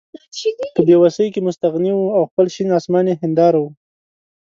په بې وسۍ کې مستغني وو او خپل شین اسمان یې هېنداره وه.